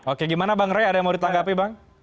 oke gimana bang rey ada yang mau ditanggapi bang